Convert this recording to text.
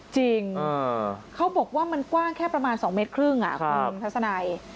จริงเขาบอกว่ามันกว้างแค่ประมาณ๒เมตรครึ่งคุณทัศนัย